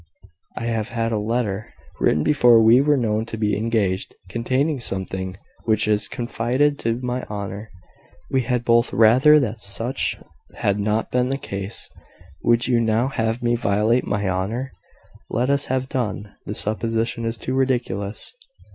I have had a letter, written before we were known to be engaged, containing something which is confided to my honour. We had both rather that such had not been the case. Would you now have me violate my honour? Let us have done. The supposition is too ridiculous."